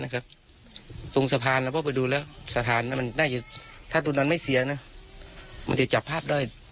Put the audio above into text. ขอช่วยดีกว่าแท้มีนะครับ